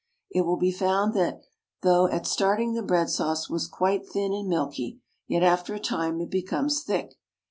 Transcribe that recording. It will be found that though at starting the bread sauce was quite thin and milky, yet after a time it becomes thick.